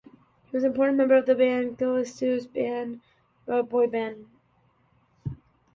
He was an important member of the Kitsilano Boys' Band.